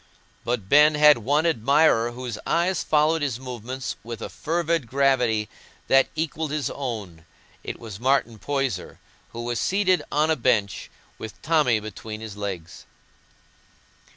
But Ben had one admirer whose eyes followed his movements with a fervid gravity that equalled his own. It was Martin Poyser, who was seated on a bench, with Tommy between his legs.